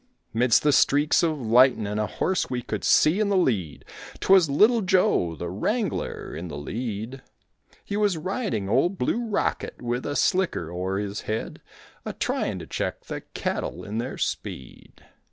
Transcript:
'Midst the streaks of lightin' a horse we could see in the lead, 'Twas Little Joe, the wrangler, in the lead; He was riding Old Blue Rocket with a slicker o'er his head, A tryin' to check the cattle in their speed.